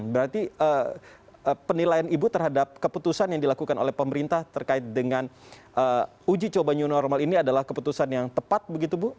berarti penilaian ibu terhadap keputusan yang dilakukan oleh pemerintah terkait dengan uji coba new normal ini adalah keputusan yang tepat begitu bu